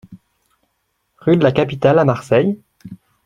Rue de la Capitale à Marseille